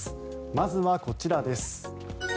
まずはこちらです。